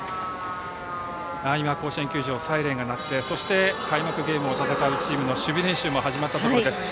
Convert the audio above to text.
今、甲子園球場サイレンが鳴って開幕ゲームを戦うチームの守備練習も始まったところです。